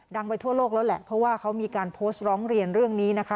ไปทั่วโลกแล้วแหละเพราะว่าเขามีการโพสต์ร้องเรียนเรื่องนี้นะคะ